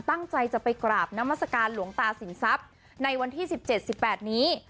ตั้งใจจะไปกราบนามัศกาลหลวงตาสินทรัพย์ในวันที่๑๗๑๘นี้